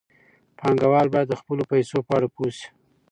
پانګوال باید د خپلو پیسو په اړه پوه شي.